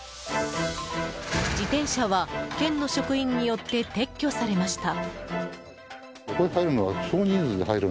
自転車は、県の職員によって撤去されました。